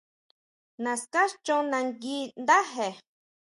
Naská chon nagui ndáje.